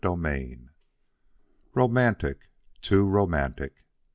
XXVIII "ROMANTIC! TOO ROMANTIC!"